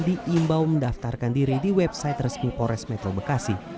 diimbau mendaftarkan diri di website resmi pores metro bekasi